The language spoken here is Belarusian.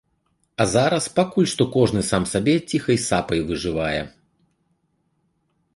А зараз пакуль што кожны сам сабе ціхай сапай выжывае.